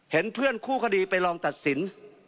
เห็นเพื่อนคู่คดีไปลองตัดสิน